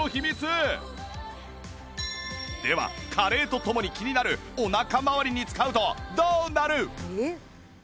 では加齢とともに気になるお腹まわりに使うとどうなる！？